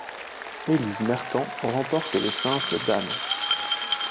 Elise Mertens remporte le simple dames.